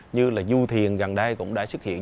như là du thuyền gần đây cũng đã xuất hiện